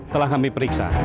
nama dia pak riza